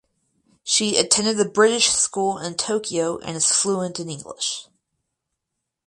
She attended The British School in Tokyo and is fluent in English.